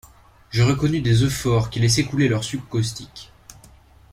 Je reconnus des euphorhes qui laissaient couler leur suc caustique.